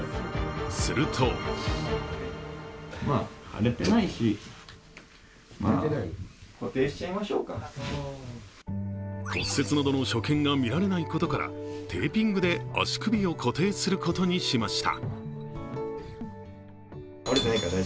すると骨折などの所見がみられないことからテーピングで足首を固定することにしました。